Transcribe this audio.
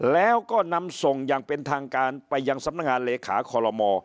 แล้วก็นำส่งอย่างเป็นทางการไปยังสำนักงานเลขาคอลโลม